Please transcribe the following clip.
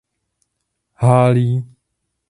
H. Lee.